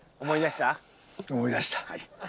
思い出した。